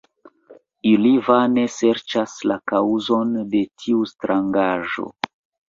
Ili vane serĉas la kaŭzon de tiu strangaĵo.